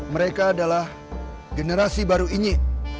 mereka adalah generasi baru ini